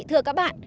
thưa các bạn